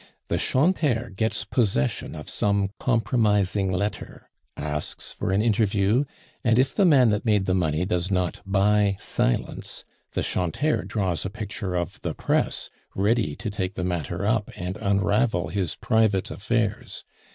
The 'chanteur' gets possession of some compromising letter, asks for an interview; and if the man that made the money does not buy silence, the 'chanteur' draws a picture of the press ready to take the matter up and unravel his private affairs.